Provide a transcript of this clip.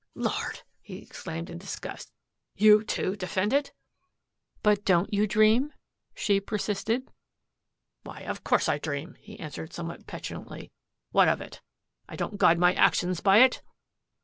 "Lord," he exclaimed in disgust, "you, too, defend it?" "But, don't you dream?" she persisted. "Why, of course I dream," he answered somewhat petulantly. "What of it? I don't guide my actions by it."